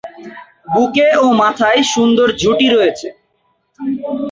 বুকে ও মাথায় সুন্দর ঝুঁটি রয়েছে।